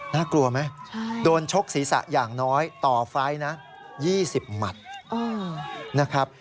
น่ากลัวไหมโดนชกศีรษะอย่างน้อยต่อไฟล์นะ๒๐หมัดนะครับ